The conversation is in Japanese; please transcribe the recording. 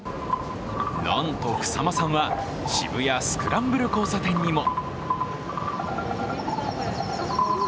なんと草間さんは渋谷スクランブル交差点にも。